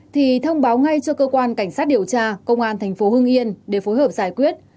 thì thông báo ngay cho cơ quan cảnh sát điều tra công an tp hương yên để phối hợp giải quyết